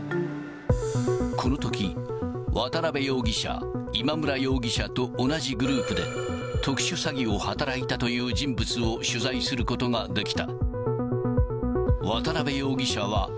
このとき、渡辺容疑者、今村容疑者と同じグループで、特殊詐欺を働いたという人物を取材することができた。